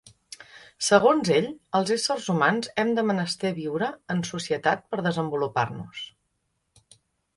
Segons ell els éssers humans hem de menester viure en societat per desenvolupar-nos.